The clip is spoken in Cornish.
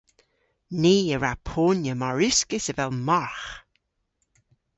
Ni a wra ponya mar uskis avel margh!